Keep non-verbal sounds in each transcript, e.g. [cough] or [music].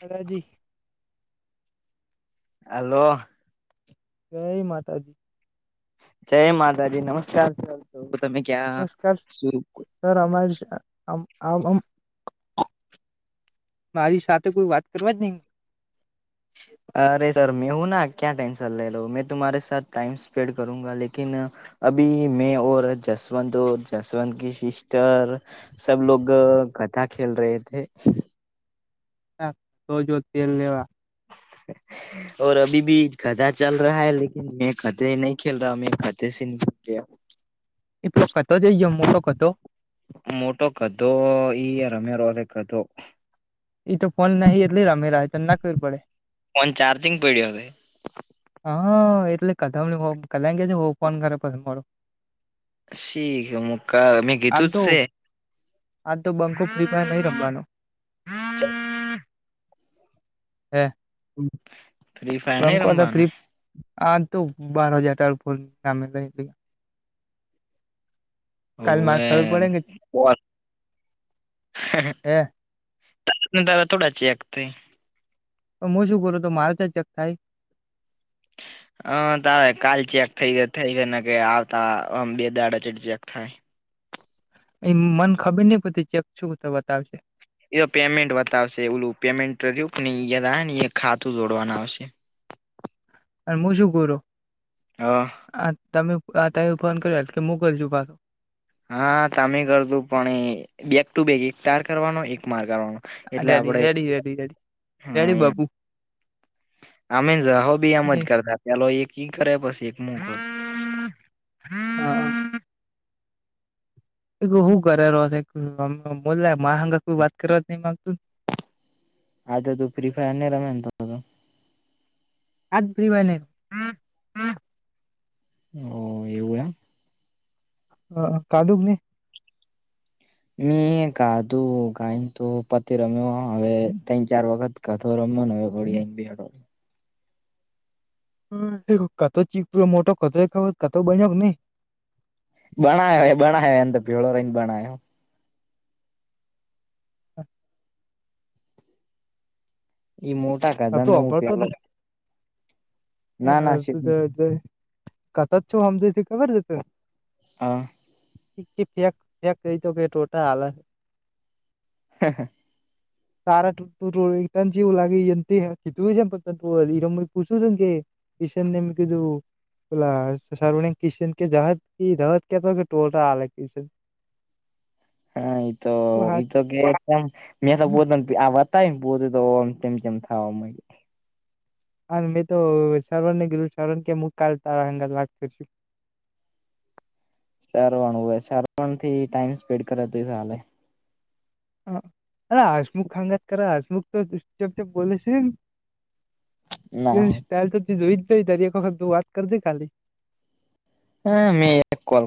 માતાજી હાલો જય માતાજી જય માતાજી નમસ્કાર સર તમે ક્યાં નમસ્કાર શું સર અમારી આમ આમ આમ મારી સાથે કોઈ વાત કરવા જ નહી. હ અરે સર મેં હું ના ક્યા ટેન્શન લેલો મેં તુમારે સાથ ટાઈમ સ્પેન્ડ કરુંંગા લેકિન અબી મેં ઓર જસવંત ઓર જસવંત કી સિસ્ટર સબલોગ ગધા ખેલ રહે થે. હા તો જો તેલ લેવા. [inaudible] ઔર અભી બી ગધા ચલ રહા હૈ લેકિન મેં ગઘે નહીં ચલ રહા મેં ગઘે કે નીચે છુપ ગયા [inaudible] એ પેલો કતો ચઈ ગયો મોટો કતો? મોટો ગધો ઈ રમેરો રે ગધો. ઈ તો ફોન નહીં એટલે રમેરા તન ના ખબર પડે. ફોન ચારજિંગ પડ્યો સે. હા એટલે કદમ હો કદ કે વો ફોન કરે પછી મારો. શીખ મુ ક મેં કીધું ત સે. આ તો બંખો ફ્રી નહી રમવાનો. છે હમ. ફ્રી ફાયર નઈ રમવાનું. આ તો બાર હજાર ટ ભ કમે [unintelligible] કાલ મારે ખબર પડે કે ઓ, હ. હે દ દા થોડા ચીકતે [unintelligible] પણ હું શું કરેલું? તો મારે તો જ ચેક થાય. હ, તારે કાલે ચેક થઈ થઈ ગયા ને, કે આવતા બે દાડા ચેક થાય. એ મન ખબર નહીં પતે, ચેક શું તો બતાવશે. એ તો પેમેન્ટ બતાવશે, એલું પેમેન્ટ્યું નેા ખાતું જોડવાનું આવશે. એમાં શું કરો? હા. તમે ત ફોન કર્યો કે, હું કરું છું પાછો. હા, તમે કરે તું, પણ બેગ ટુ બેગ એક તાર કરવાનો, એક માર કરવાનો. એટલે રેડી આપડે રેડી રેડી રેડી હા, રેડી એમ. બાપુ અમે જહો બી આમ ને જ કરતા, પેલો એક ઈ કરે, પછી એક મુું કરું. હા હું કરેલો, બલા મા હંગ કોઈ વાત કરવા જ નહી માગતું. આ તો તું ફ્રી ફાયર ને રમે તો. આજ ફ્રી ભાઈને. હમ. અ કાાલુક નને [unintelligible] [inaudible] મે આધું કંઈ તો, પતે રમ્યો, હવે ત્રણ-ચાર વાત. કથે રમવાનું હોય. હ, કાતો ચીક પ મોટો કતો ખબ કાતો બન્યો નહી. [unintelligible] [inaudible] બણાયો બણાયો, એમ તો ભીળો રહીને, બણાય્યો. હા. એ મોટાકા કતો દંધમ ઉપી. હ શ કથચ છું હમજ હતી ખબર જ [unintelligible] આ. કે ફેક, ફેંક રઈ તો, કે ટોટા હાલ. હા, હા. તારા ટો જવ લાગી. કી તું જમપનપરામ કુસદમકેે શન નમકીું [unintelligible] [inaudible] બલા કિશન કે જહદ રદ ક કે ટોલ આલગ કિશન [unintelligible] [inaudible] હા, એ તો એ તો કે. મેં તો પોને આ બતાયને, પોતે તોમ તેમ તેમ થવા મગ. હા, મેં તો શરવણ ને, ગેધું શ્રવણ કે, મુ કાલ તારા હંગાત વા કર છું. સારવાનું હોય, સારવા થી ટાઈમ સ્પેન્ડ કરેલે. હ, અરે હશમુખ ખંગાત કર, હશમુખ તો ચપ જેપ બ છે. ના એ હોય. સ્ટાઇલ તો જોઈ, જઈ તારી એક વખતું વાત કર દે, ખાલી. હા, મે કોલ.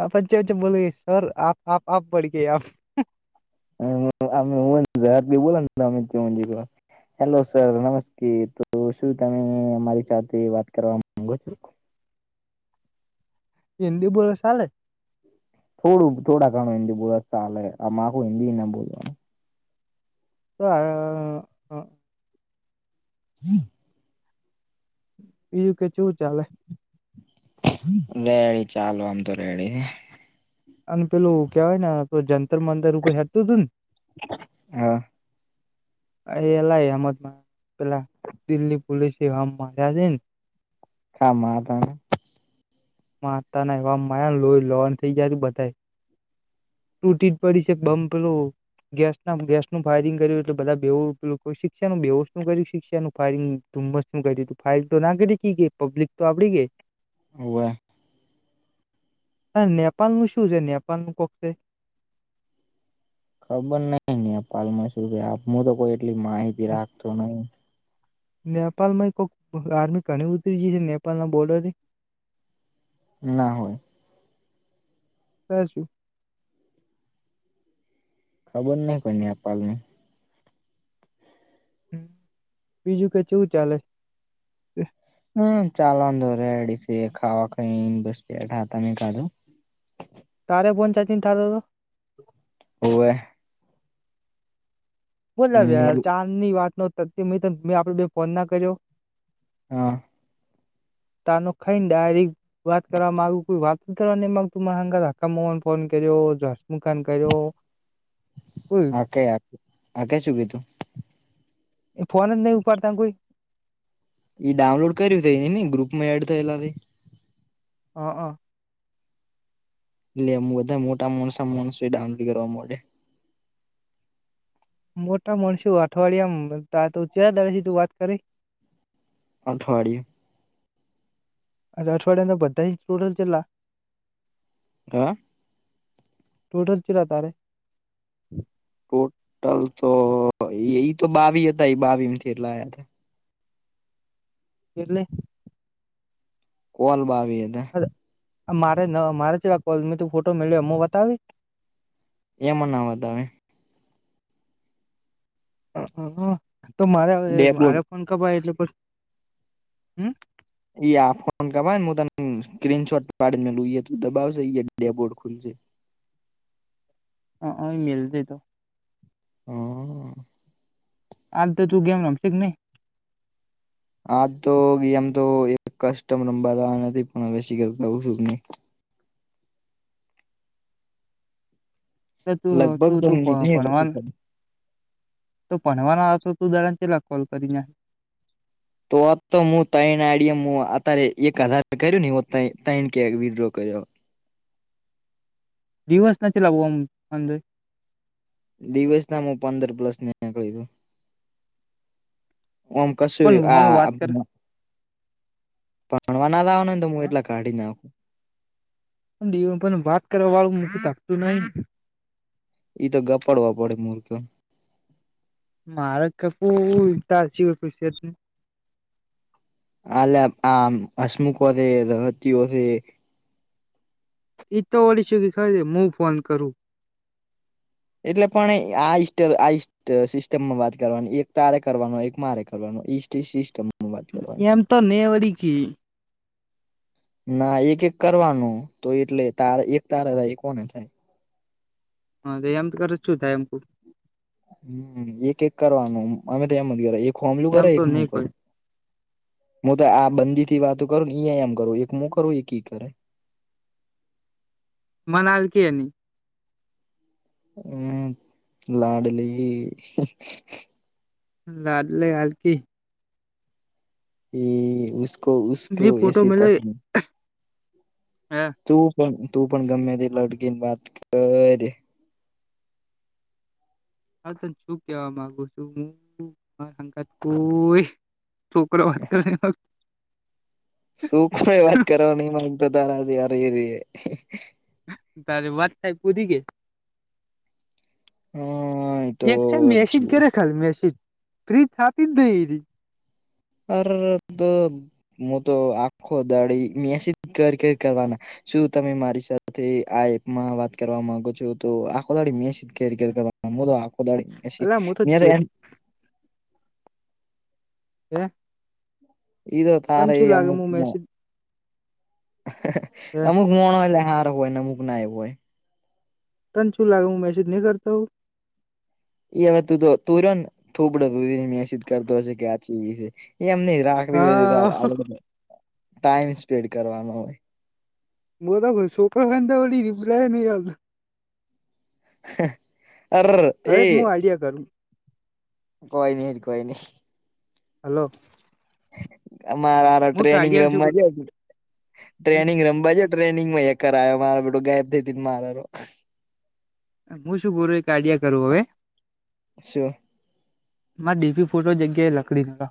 આપ વચ્ચે-વચ્ચે બોલ, ગઈ, સર આપ આપ આપ બડ ગઈ આપ. અમે હુંનેરાત બોલા ને, અમિત ચજી. હેલો, સર નમસ્તે, તો શું તમે મારી સાથે વાત કરવા માંગો છો? હિદી બોલ, ચાલે. થોડું થોડા ઘણું હિન્દી બોલવા, ચાલે, આ આખું હિન્દી ના બોલવાનું. તો આ. હમ. જું કે શું ચાલે? રેડી ચાલ, આમ તો રેડી. અને પેલું કેવાય ને જંતર મંતર ઉપર હેડતું તું ને હા એ એલા અમદમાં પેલા દિલ્લી પોલીસે એ હમ માર્યા છે ને હામા તા માતાને એવા માર્યા લોઈ લોહન થઇ ગયા તું બધા તૂટી જ પડી છે બંમ પેલુ ગેસના ગેસનું ફાયરિંગ કર્યું એટલે બધા બેવુ શિક્ષાનું બેહોસનું કર્યું શિક્ષાનું ફાયરિંગ ધુમ્મસ શું કર્યુ તું ફાઇલ તો ના કરી કે પબ્લિક તો આપડી ગઈ. હોવે. આ નેપાલ નું શું છે નેપાલનું કોક તે ખબર નહિ નેપાલમાં શું છે હું તો કોઈ એટલી માહિતી રાખતો નહી. નેપાલમાં કોક આર્મી ઘણી ઉતરી છે નેપાલના બોર્ડરથી ના હોય. ક છું. ખબર નહી કોઈ નેપાલને બીજું કઈ કેવું ચાલે. હમ્મ ચાલો અંદર રેડી છીએ ખાવા કઈ એમ બધા તમે કાઢો. તારે ફોન ચાર્જિંગ થાતો હતો. હોવે. બોલ્યા ચારની વાતનો મે મેં આપડે ફોન ના કર્યો. હા. તારનું ખાયને ડાયરેક્ટ વાત કરવામાં કોઈ વાત કરવાની માગતું માર હંગાત માર આટલા માણસો હ ફોન કર્યો જસમુખાન કર્યો. કોઈ આકે આકે શું કીધું. એ ફોન જ નહી ઉપાડતાને કોઈ. એ ડાઉનલોડ કર્યું થઇ ને ને ગ્રુપમાં એડ થયેલા તે. હ હ એ બધા મોટા માણસા માણસો એ ડાઉનલોડ કરવા મોડ્યા મોટા માણસું અઠવાડિયામાં તા તું ક્યાં દાળે થી વાત કરી. અઠવાડીયુ અરે અઠવાડિયાંના બધા ઇચ ટોટલ કેટલા હા. ટોટલ કેટલા તારે ટોટલ તો એ તો બાવી હતા એ બાવી માંથી એટલા આયા હતા. એટલે કોલ બાવી હતા. મારે ન મારે છે કોલ મે તું ફોટો મેળ્યો હું બતાવી એમના વતાવે તો મારે ડેબોર્ડ મારે ફોન કપાય એટલે પછી હમ્મ. ઈ આ ફોન કપાયને હું તને સ્ક્રીનશોટ પાડી મેલદુ દબાવશે ડેબોર્ડ ખુલશે. હ હ મેલજે તો હમ્મ. આમ તો તું ગેમ રમતી જ નઈ. આજ તો આમ તો કસ્ટમ રમવા જવાના હતા પણ હવે શી કરુ લઉ છું કે નહી. એટલે તું લગભગ તું તો તું મેં ભ નતી ભણવા કરી. તો ભણવાનો તો તું દાળે ચેટલા કોલ કરી નાખે. તો તો હું ત્રણ આડીએ અત્યારે એક હજાર કર્યો ને ત્રણ કે વિડ્રો કર્યો. દિવસ નથી લાવવો આમ અંદર દિવસના હું પંદર પ્લસ ને એમ કર્યું ઓમ કશું પણ હમે આ વાત કર ભણવાના જવાનું હોય તો હું હા? એટલા કાઢી જ નાખું. દે પણ વાત કરવા વાળું મકુ થાકતું નહી. ઈ તો ગપાડવા પડે મૂર્ખ્યો. મારા કપ તચીય ખુશિયત. આલે આ હશમુખો છે રતીઓ છે એ. એઈતો ઓળી છે કે ખે હું ફોન કરું. એટલે પણ આ ઈસ્ટ આ ઈ. સિસ્ટમમાં વાત કરવાની એક તારે કરવાનો એક મારે કરવાનું ઈ સિસ્ટમ. એમ તો નેવડીકી. ના એક એક કરવાનું તો એટલે તારા એક તારા થાય એક ઑને થાય. હા તો એમ તો કર શું થાય એમ. હમ એક એક કરવાનું અમે તો એમ જ કર એક હોમલું કરે એમ તો એક હું નહી કોઈ કરું. હું તો આ બંદી થી વાતો કરું ને ઈ એમ કરું એક હું કરું એક ઈ કરે. મનાલકી એની. હમ લાડલી. લાદ લે હલકી. એ ઉસકો ઉસકો એસી પસંદ. હમ. તું પણ તું પણ ગમેતેટલો અડકી ને વાત કરે. હા તને શું કેવા માંગુ છું હું કાત કોઈ. છોકરો વાત કરે. છોકરાવ એ વાત નહી કરવા માંગતા તારાથી અરેરે. તારી વાત થઈ પુરી કે. હા એ તો એક છે મેસીજ કરે ખાલી મેસીજ. ફ્રી થાતી જ નઈ એ રી. અરર તો હું તો આખો દાડી મેસીજ કર કર કરવાના. શું તમે મારી સાથે આ એપમાં વાત કરવા માંગો છો તો આખોદાડી મેસે. કેર કેર કરવા હુ તો આખો દાડો મેસેજ અલા હું મેં તો. જે [unintelligible] ઇતો તન તારે શું એ લાગે હું અમુકમાં. મેસેજ હે અમુક મોણહ સારું હોય ને અમુક ના ય હોય. તન શું લાગે હું મેસેજ નહીં કરતો હુંવ. એલ્યા તું તો તું રયો ને થોબડા જોઈ ને મેસેજ કરતો હશે આ છોડી છે એમ નઈ. હા [unintelligible] ટાઈમ સ્પેન્ડ કરવાનો હોય. હું તો કવ છોકરો હોય ને તો ઓલી રીપલાએ નઈ આલતા. અરરર. હવે એક હું આઈડિયા કરું. કોઈ ની જ કોઈ ની. હલો. અમારા હું ટ્રેનિંગ કાઢ્યા શું રમવા જ કરું ટ્રેનિંગ રમવા. ટ્રેનિંગમાંયા કરાયો મારો બેટો ગાયબ થઈ થઈ ને મારે રયો. હું શું કરુ એક આઈડિયા કરું હવે. સ્યો. મારો ડીપી ફોટો જગ્યાએ લકડી કરા.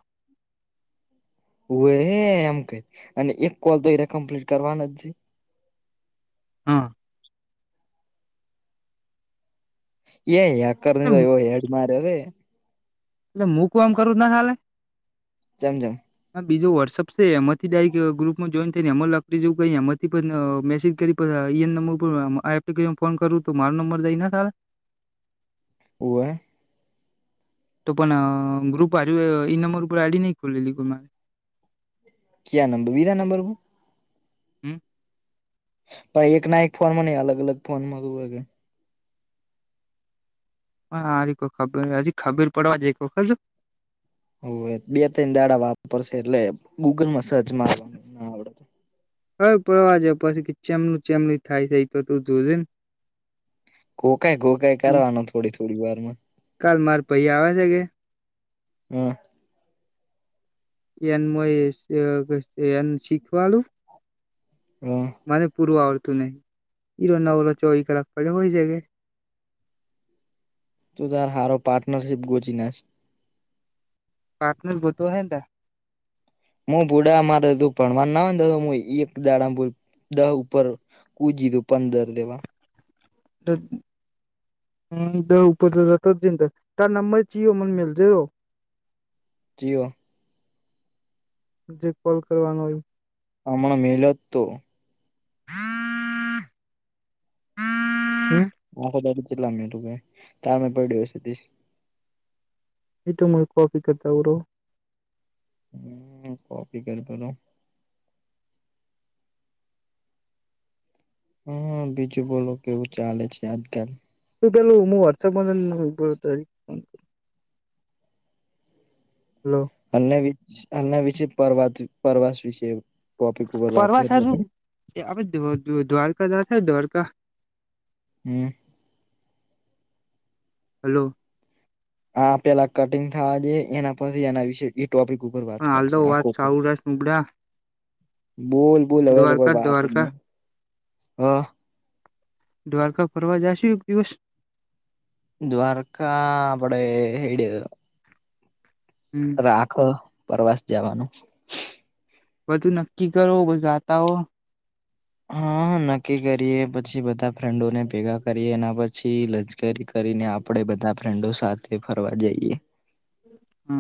હ હે એમ કર અને એક કોલ તો એ કમ્પ્લીટ કરવાના જ છે. હા. એ એકર ને તો એવો એટલે હેડ માર્યો હે. અલ્યા હું કોમ કરું તો ના હાલે. જામ જામ. હ બીજુ વોટ્સઅપ છે એમાંથી ડાયરેક ગ્રુપમાં જોઈન થઈ ને એમાં લકડી જેવું કરી એમાંથી પણ મેસેજ કરી. ઈ નંબર ઉપર એપ્લિકન ફોન કરવું તો મારો નંબર જઈ ને સાર. હોવે. તો પણ ગ્રુપ હાર ઈ નંબર ઉપર આઈડી ન ખોલલી ગ મારે. ક્યા નંબર બીજા નંબર ઉપર. હમ. પણ એક ના એક ફોન માં ન અલગ અલગ ફોનમાં. હા હારી કોઈ ખબર હજી ખબીર પડવા જ વખર. હો બે ત્રણ દાડા વાપરશે એટલે ગૂગલમાં સર્ચ મારવાનું ના આવડત. હવે પડવા જ પછી ચેમનુ ચેમલું થાય છે એ તો તું જોજે ને. ગો કઈ ગો કઈ હમ. કરવાનું થોડી થોડી વારમાં. કાલ માર ભાઈ આવે છે ક્યાંય. હા. ધ્યાન માં એમ કે કઈ શીખવાડું.? હા. મને પૂર્વ આવરતું નહી હીરો નવલો ચોવી કલાક પડ્યો હોય છે. તું તાર હોરો પાર્ટનરશીપ ગુછી નાખ. પાર્ટનર ગોતવો હે ને. હું ભુડા મારે તું ભણવાર ના હોને દ એક દાડા દ ઉપર. કોઈ કીધુ પંદર દેવાના. હ ઉપર તો જ જ જિંદર ત નંબર ચયો મને મેલજે રો? જીઓ. જે કોલ કરવાનો હોય. હમણા મલત તો. હા. હમ. આખો દિવસ કેટલો મિનિટ બેસે એટલે કામે પડ્યો હશે. એ તોમ કોફી કતાવું. હમ કોપી કર. હા બીજું બોલો કેવું ચાલે છે આજકાલ. તું પેલુ હું વોટ્અપમાં ની બોલતા ઈ? હલો. અમને વી અમને પ્રવા પ્રવાસ વિશે ટોપિક ઉપર વાત કરી પ્રવાસ આપણે વિશે આપણે દ્વારકા જશુ દ્વારકા. હમ. હલો. આ પેલા કટિંગ થવા જે એના પછી એના વિશે. એ ટોપિક ઉપર વાત પણ હાલ તો કરશે આખો વાત ઉપ સૌરાષ્ટ્ર નુબડા બોલ. બોલ હવે તો દ્વારકા કોઈ બાપ જ દ્વારકા નહી હા. દ્વારકા ફરવા જાશુ એક દિવસ, દ્વારકા આપડે હેડી. હમ. આખ પ્રવાસ જવાનું. બધું નક્કી કરો બ ગાતા હો, હા નક્કી કરીએ પછી બધા ફ્રેન્ડોને ભેગા કરીએ એના પછી. જે થી કરીને આપણેે બધા ફ્રેન્ડો સાથે ફરવા જઈએ. હા.